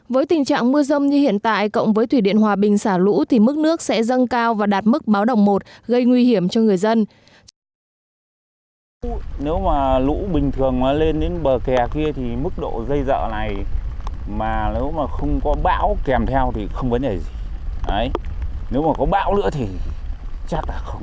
với tình trạng mưa râm như hiện tại cộng với thủy điện hòa bình xả lũ thì mức nước sẽ dâng cao và đạt mức báo đồng một gây nguy hiểm cho người dân